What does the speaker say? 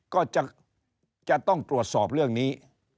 ก็จะต้องตรวจสอบเรื่องนี้